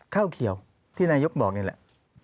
ข้าวเขียวที่นายกบอกนี่แหละ